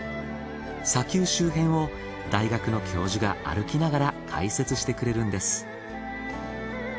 砂丘周辺を大学の教授が歩きながら解説してくれるんです。